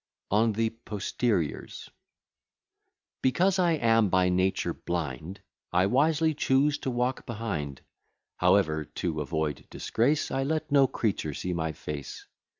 ON THE POSTERIORS Because I am by nature blind, I wisely choose to walk behind; However, to avoid disgrace, I let no creature see my face.